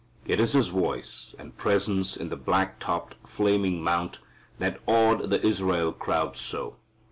It is His voice and presence in the black topped, flaming mount that awed the Israel crowd so.